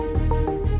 aku mau ke rumah